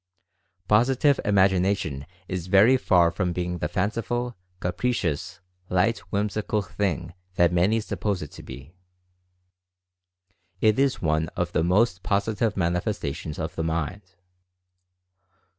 Positive Imagination is very far from being the fanciful, capricious, light, whimsical thing that many suppose it to be. It is one of the most positive manifestations of the mind.